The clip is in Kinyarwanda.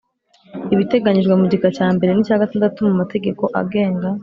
Ibiteganyijwe mu gika cya mbere n icya gatandatu mu mategeko agenga